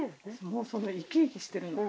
もうそれ生き生きしてるの。